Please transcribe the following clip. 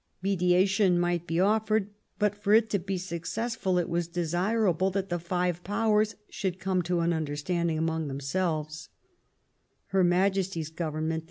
Mediation might be offered, but for it to be success ful, it was desirable that the five Powers should come to an understanding among themselves : Her Majesty's Government